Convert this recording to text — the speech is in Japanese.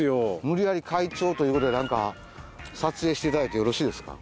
無理やり貝長という事でなんか撮影して頂いてよろしいですか？